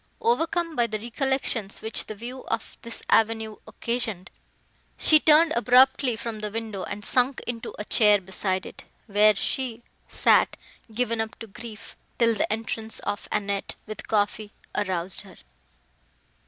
Overcome by the recollections, which the view of this avenue occasioned, she turned abruptly from the window, and sunk into a chair beside it, where she sat, given up to grief, till the entrance of Annette, with coffee, aroused her.